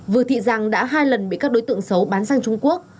vừa thị giang đã hai lần bị các đối tượng xấu bán sang trung quốc